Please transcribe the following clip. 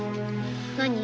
何？